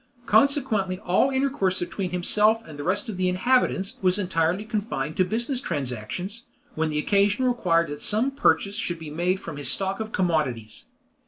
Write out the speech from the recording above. Consequently all intercourse between himself and the rest of the inhabitants was entirely confined to business transactions, when occasion required that some purchase should be made from his stock of commodities.